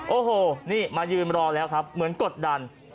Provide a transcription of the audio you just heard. โอ้โหนี่มายืนรอแล้วครับเหมือนกดดัน